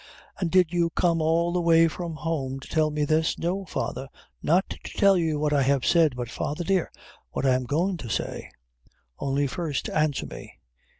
"An' did you come all the way from home to tell me this?" "No, father, not to tell you what I have said, but, father, dear, what I am goin' to say; only first answer me.